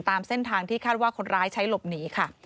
ตามเส้นทางที่คาดว่าคนร้ายใช้หลบหนีค่ะ